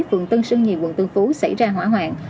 phường tân sơn nhì quận tân phú xảy ra hỏa hoạn